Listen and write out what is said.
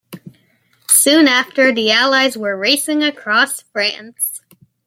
Soon after, the Allies were racing across France.